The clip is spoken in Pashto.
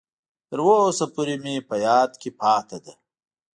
تر اوسه پورې مې په یاد کې پاتې ده.